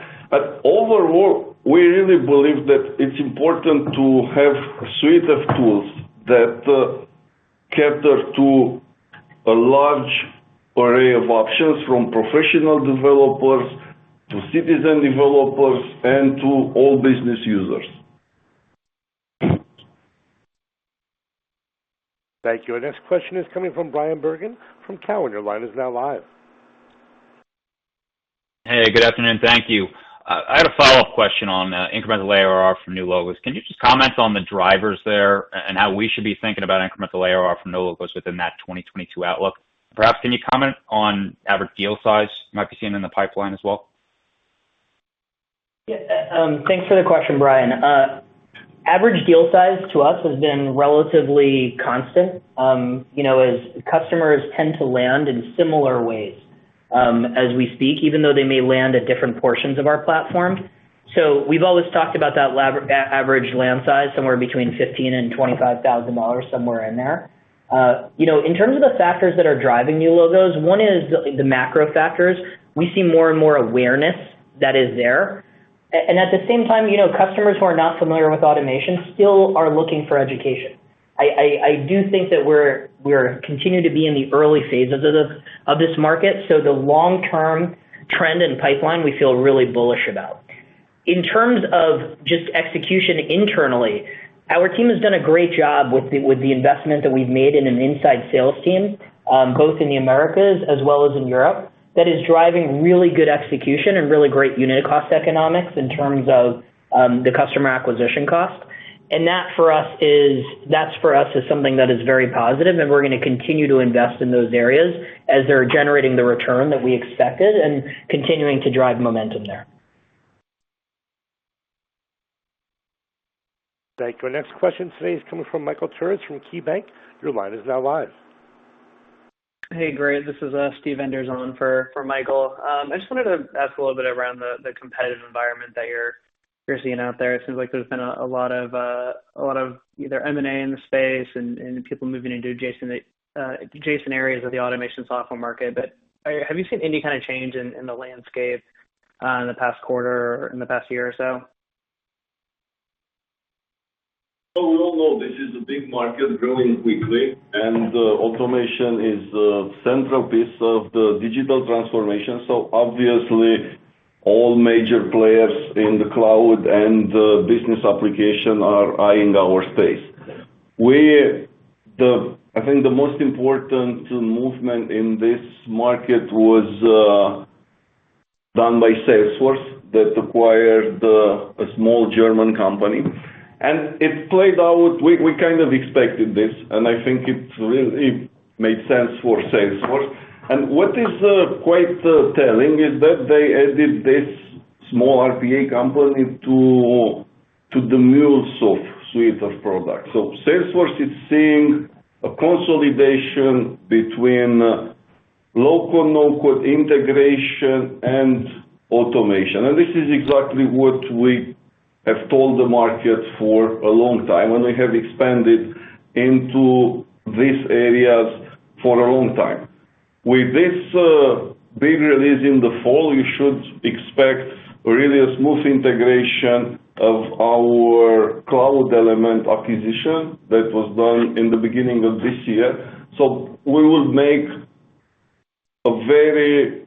Overall, we really believe that it's important to have a suite of tools that cater to a large array of options, from professional developers to citizen developers and to all business users. Thank you. Our next question is coming from Bryan Bergin from Cowen. Your line is now live. Hey, good afternoon. Thank you. I had a follow-up question on incremental ARR from new logos. Can you just comment on the drivers there and how we should be thinking about incremental ARR from new logos within that 2022 outlook? Perhaps can you comment on average deal size you might be seeing in the pipeline as well? Yeah. Thanks for the question, Bryan. Average deal size to us has been relatively constant as customers tend to land in similar ways as we speak, even though they may land at different portions of our platform. We've always talked about that average land size, somewhere between $15,000 and $25,000, somewhere in there. In terms of the factors that are driving new logos. One is the macro factors. We see more and more awareness that is there. At the same time, customers who are not familiar with automation still are looking for education. I do think that we're continuing to be in the early phases of this market, the long-term trend and pipeline we feel really bullish about. In terms of just execution internally, our team has done a great job with the investment that we've made in an inside sales team, both in the Americas as well as in Europe, that is driving really good execution and really great unit cost economics in terms of the customer acquisition cost. That for us, is something that is very positive and we're going to continue to invest in those areas as they're generating the return that we expected and continuing to drive momentum there. Thank you. Our next question today is coming from Michael Turits from KeyBanc. Your line is now live. Hey, great. This is Steve Enders for Michael. I just wanted to ask a little bit around the competitive environment that you're seeing out there. It seems like there's been a lot of either M&A in the space and people moving into adjacent areas of the automation software market. Have you seen any kind of change in the landscape in the past quarter or in the past year or so? Oh, no. This is a big market growing quickly, and automation is the central piece of the digital transformation. Obviously all major players in the cloud and business application are eyeing our space. I think the most important movement in this market was done by Salesforce, that acquired a small German company. It played out, we kind of expected this, and I think it made sense for Salesforce. What is quite telling is that they added this small RPA company to the MuleSoft suite of products. Salesforce is seeing a consolidation between low-code, no-code integration and automation. This is exactly what we have told the market for a long time, and we have expanded into these areas for a long time. With this big release in the fall, you should expect really a smooth integration of our Cloud Elements acquisition that was done in the beginning of this year. We will make a very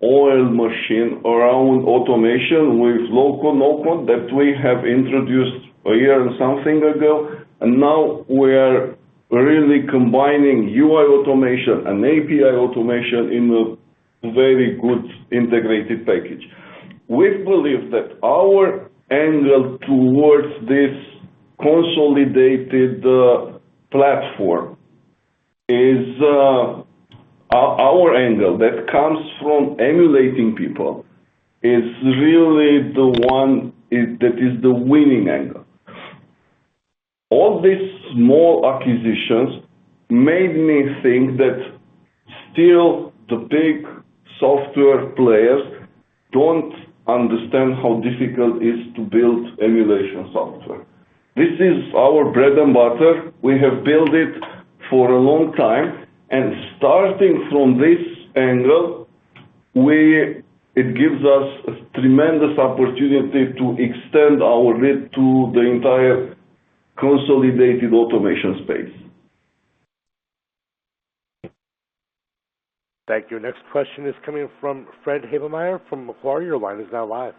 well-oiled machine around automation with low-code Apps that we have introduced a year and something ago. Now we are really combining UI automation and API automation in a very good integrated package. We believe that our angle towards this consolidated platform, our angle that comes from emulating people, is really the one that is the winning angle. All these small acquisitions made me think that still the big software players don't understand how difficult it is to build emulation software. This is our bread and butter. We have built it for a long time, and starting from this angle, it gives us a tremendous opportunity to extend our reach to the entire consolidated automation space. Thank you. Next question is coming from Frederick Havemeyer from Macquarie. Your line is now live.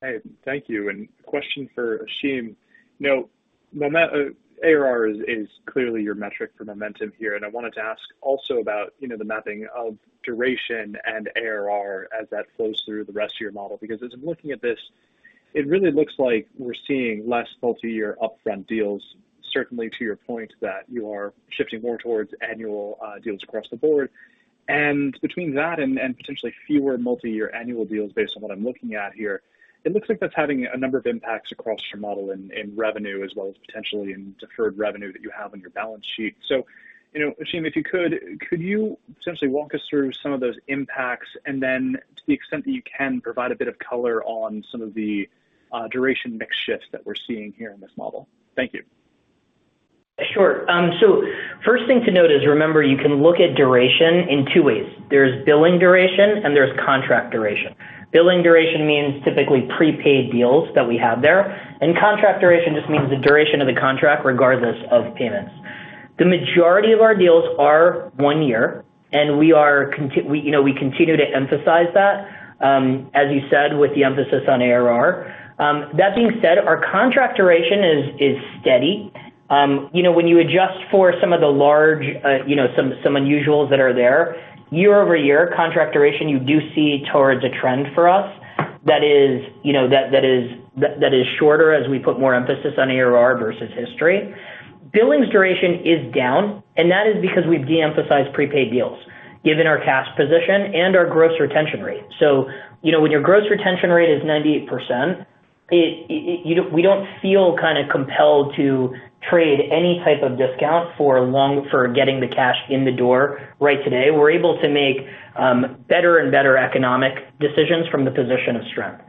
Hey, thank you. Question for Ashim. ARR is clearly your metric for momentum here. I wanted to ask also about the mapping of duration and ARR as that flows through the rest of your model. As I'm looking at this, it really looks like we're seeing less multi-year upfront deals, certainly to your point that you are shifting more towards annual deals across the board. Between that and potentially fewer multi-year annual deals based on what I'm looking at here, it looks like that's having a number of impacts across your model in revenue as well as potentially in deferred revenue that you have on your balance sheet. Ashim, if you could essentially walk us through some of those impacts and then to the extent that you can, provide a bit of color on some of the duration mix shifts that we're seeing here in this model? Thank you. Sure. First thing to note is, remember, you can look at duration in two ways. There's billing duration and there's contract duration. Billing duration means typically prepaid deals that we have there, and contract duration just means the duration of the contract regardless of payments. The majority of our deals are one year, and we continue to emphasize that, as you said, with the emphasis on ARR. That being said, our contract duration is steady. When you adjust for some of the large, some unusuals that are there, year-over-year contract duration you do see towards a trend for us that is shorter as we put more emphasis on ARR versus history. Billings duration is down, and that is because we've de-emphasized prepaid deals given our cash position and our gross retention rate. When your gross retention rate is 98%, we don't feel compelled to trade any type of discount for getting the cash in the door right today. We're able to make better and better economic decisions from the position of strength.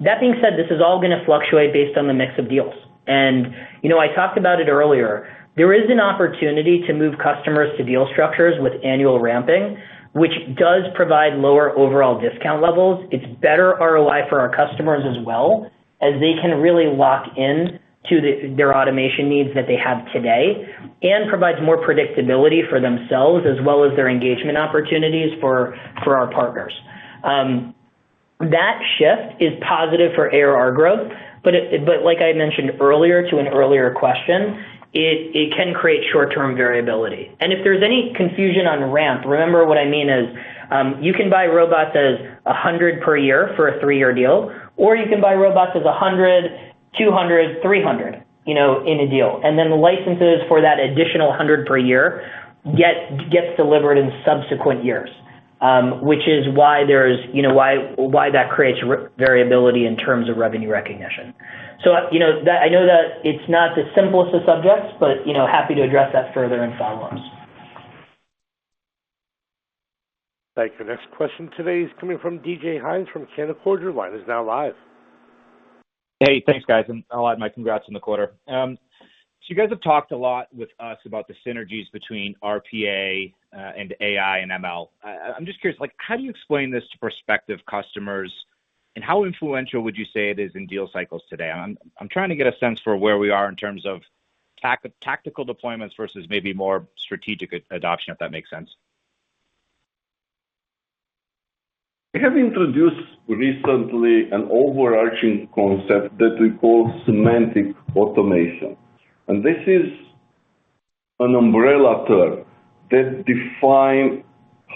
That being said, this is all going to fluctuate based on the mix of deals. I talked about it earlier. There is an opportunity to move customers to deal structures with annual ramping, which does provide lower overall discount levels. It's better ROI for our customers as well, as they can really lock in to their automation needs that they have today and provides more predictability for themselves as well as their engagement opportunities for our partners. That shift is positive for ARR growth, like I mentioned earlier to an earlier question, it can create short-term variability. If there's any confusion on ramp, remember what I mean is, you can buy robots as 100 per year for a three year deal, or you can buy robots as 100, 200, 300 in a deal. The licenses for that additional 100 per year get delivered in subsequent years, which is why that creates variability in terms of revenue recognition. I know that it's not the simplest of subjects, but happy to address that further in follow-ups. Thank you. Next question today is coming from DJ Hynes from Canaccord Genuity. Your line is now live. Hey, thanks guys, and I'll add my congrats on the quarter. You guys have talked a lot with us about the synergies between RPA and AI and ML. I'm just curious, how do you explain this to prospective customers, and how influential would you say it is in deal cycles today? I'm trying to get a sense for where we are in terms of tactical deployments versus maybe more strategic adoption, if that makes sense. We have introduced recently an overarching concept that we call Semantic Automation. This is an umbrella term that define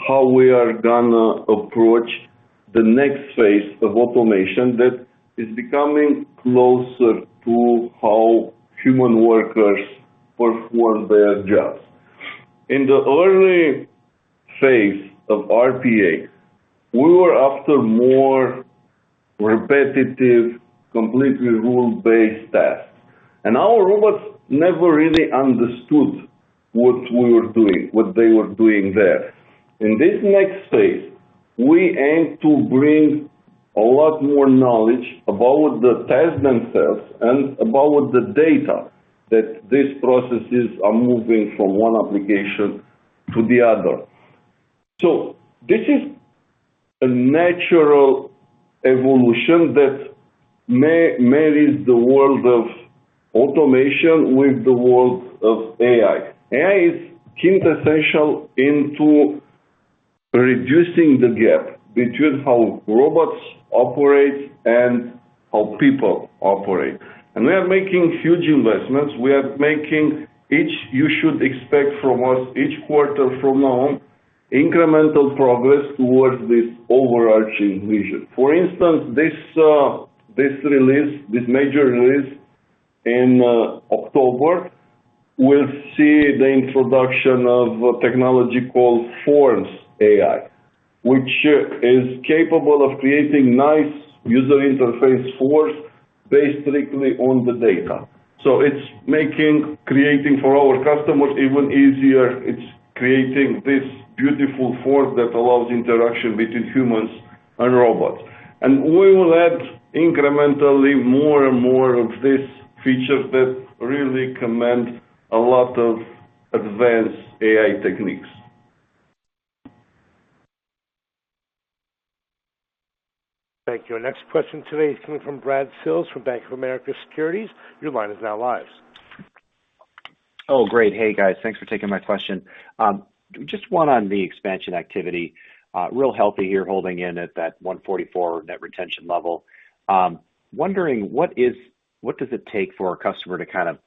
how we are going to approach the next phase of automation that is becoming closer to how human workers perform their jobs. In the early phase of RPA, we were after more repetitive, completely rule-based tasks. Our robots never really understood what we were doing, what they were doing there. In this next phase, we aim to bring a lot more knowledge about the tasks themselves and about the data that these processes are moving from one application to the other. This is a natural evolution that marries the world of automation with the world of AI. AI is quintessential into reducing the gap between how robots operate and how people operate. We are making huge investments. We are making, you should expect from us each quarter from now on, incremental progress towards this overarching vision. For instance, this major release in October, we will see the introduction of a technology called Forms AI, which is capable of creating nice user interface forms based strictly on the data. It's making creating for our customers even easier. It's creating this beautiful form that allows interaction between humans and robots. We will add incrementally more and more of these features that really command a lot of advanced AI techniques. Thank you. Our next question today is coming from Brad Sills from Bank of America Securities. Your line is now live. Oh, great. Hey, guys. Thanks for taking my question. Just one on the expansion activity. Real healthy here holding in at that 144 net retention level. Wondering, what does it take for a customer to kind of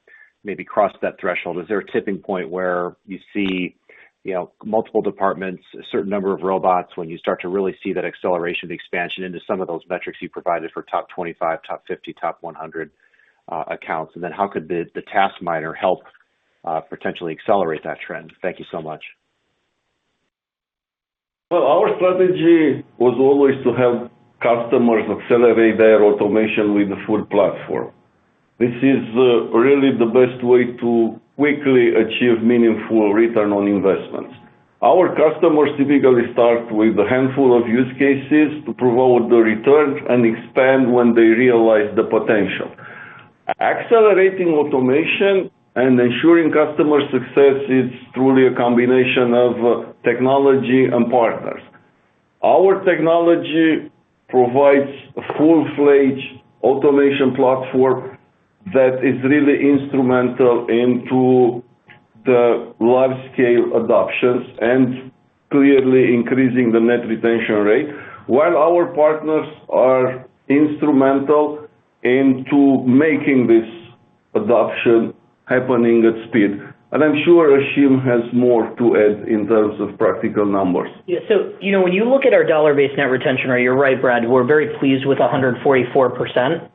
maybe cross that threshold? Is there a tipping point where you see multiple departments, a certain number of robots, when you start to really see that acceleration of the expansion into some of those metrics you provided for top 25, top 50, top 100 accounts? How could the Task Mining help potentially accelerate that trend? Thank you so much. Well, our strategy was always to help customers accelerate their automation with the full platform. This is really the best way to quickly achieve meaningful return on investments. Our customers typically start with a handful of use cases to promote the returns and expand when they realize the potential. Accelerating automation and ensuring customer success is truly a combination of technology and partners. Our technology provides a full-fledged automation platform that is really instrumental into the large-scale adoptions and clearly increasing the net retention rate, while our partners are instrumental into making this adoption happening at speed. I'm sure Ashim has more to add in terms of practical numbers. Yeah. When you look at our dollar-based net retention rate, you're right, Brad, we're very pleased with 144%,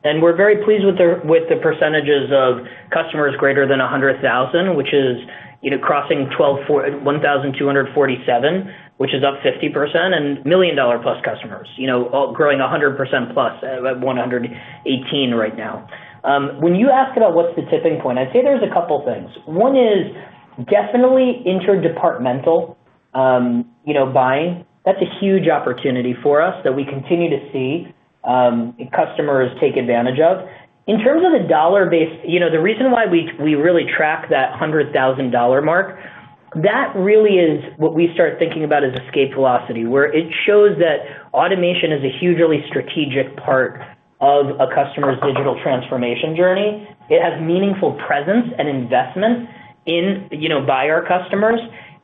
and we're very pleased with the percentages of customers greater than $100,000, which is crossing 1,247, which is up 50%, and million-dollar-plus customers. Growing 100%-plus at 118 right now. When you ask about what's the tipping point, I'd say there's a couple things. One is definitely interdepartmental buying. That's a huge opportunity for us that we continue to see customers take advantage of. In terms of the dollar base, the reason why we really track that $100,000 mark, that really is what we start thinking about as escape velocity, where it shows that automation is a hugely strategic part of a customer's digital transformation journey. It has meaningful presence and investment by our customers,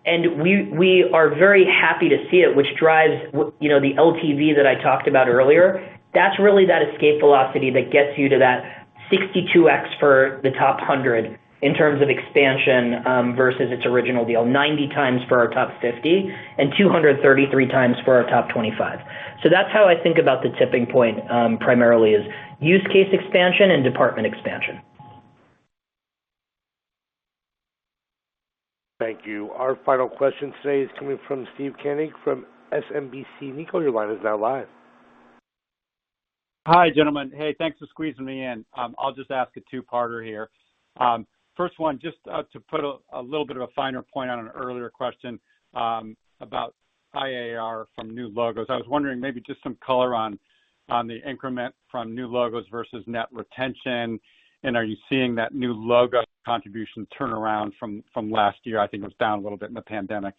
and we are very happy to see it, which drives the LTV that I talked about earlier. That's really that escape velocity that gets you to that 62x for the top 100 in terms of expansion, versus its original deal, 90x for our top 50 and 233x for our top 25. That's how I think about the tipping point, primarily as use case expansion and department expansion. Thank you. Our final question today is coming from Steve Koenig from SMBC Nikko your line is now live. Hi, gentlemen. Hey, thanks for squeezing me in. I'll just ask a two-parter here. First one, just to put a little bit of a finer point on an earlier question about high ARR from new logos. I was wondering maybe just some color on the increment from new logos versus net retention. Are you seeing that new logo contribution turnaround from last year? I think it was down a little bit in the pandemic.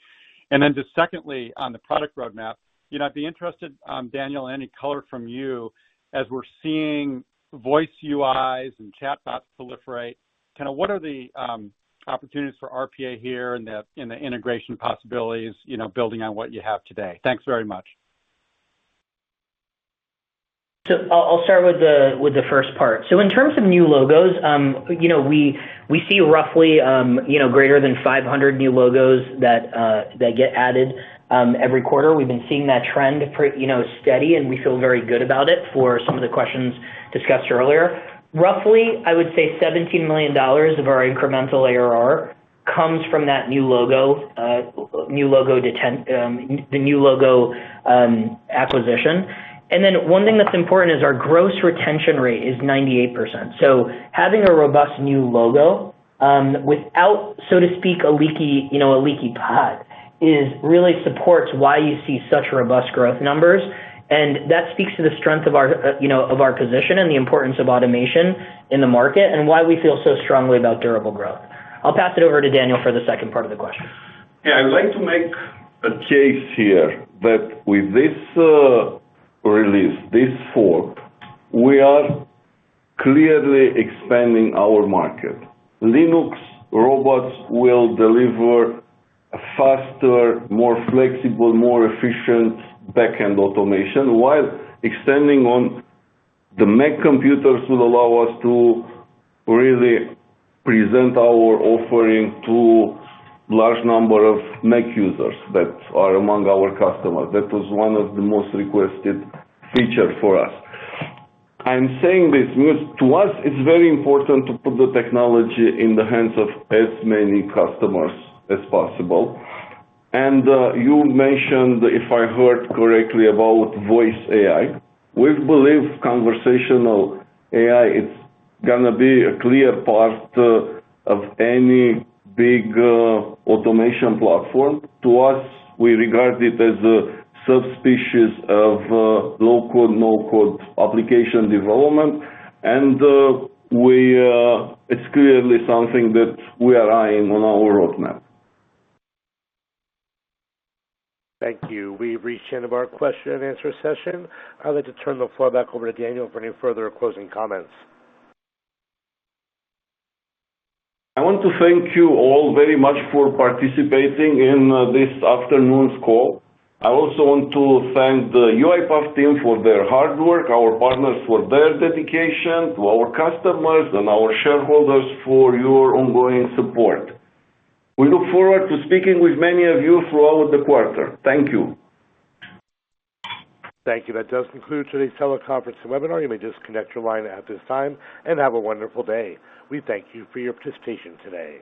Secondly, on the product roadmap, I'd be interested, Daniel, any color from you as we're seeing voice UIs and chatbots proliferate, kind of what are the opportunities for RPA here and the integration possibilities, building on what you have today. Thanks very much. I'll start with the first part. In terms of new logos, we see roughly greater than 500 new logos that get added every quarter. We've been seeing that trend steady, and we feel very good about it for some of the questions discussed earlier. Roughly, I would say $17 million of our incremental ARR comes from the new logo acquisition. One thing that's important is our gross retention rate is 98%. Having a robust new logo, without, so to speak, a leaky pot is really supports why you see such robust growth numbers. That speaks to the strength of our position and the importance of automation in the market, and why we feel so strongly about durable growth. I'll pass it over to Daniel for the second part of the question. I would like to make a case here that with this release, this fall, we are clearly expanding our market. Linux robots will deliver a faster, more flexible, more efficient back-end automation while extending on the Mac computers will allow us to really present our offering to large number of Mac users that are among our customers. That was one of the most requested feature for us. I'm saying this because to us, it's very important to put the technology in the hands of as many customers as possible. You mentioned, if I heard correctly, about voice AI. We believe conversational AI is going to be a clear part of any big automation platform. To us, we regard it as a subspecies of low-code, no-code application development. It's clearly something that we are eyeing on our roadmap. Thank you. We've reached the end of our question and answer session. I'd like to turn the floor back over to Daniel for any further closing comments. I want to thank you all very much for participating in this afternoon's call. I also want to thank the UiPath team for their hard work, our partners for their dedication to our customers, and our shareholders for your ongoing support. We look forward to speaking with many of you throughout the quarter. Thank you. Thank you. That does conclude today's teleconference and webinar. You may disconnect your line at this time, and have a wonderful day. We thank you for your participation today.